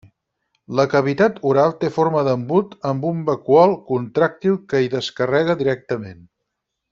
La cavitat oral té forma d'embut amb un vacúol contràctil que hi descarrega directament.